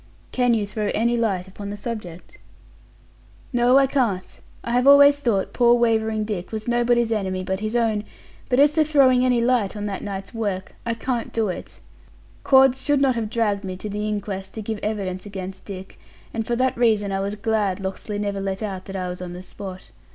Can you throw any light upon the subject?" "No, I can't. I have always thought poor wavering Dick was nobody's enemy but his own; but, as to throwing any light on that night's work, I can't do it. Cords should not have dragged me to the inquest to give evidence against Dick, and for that reason I was glad Locksley never let out that I was on the spot.